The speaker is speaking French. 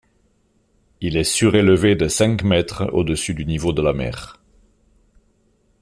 Il est surélevé de cinq mètres au dessus du niveau de la mer.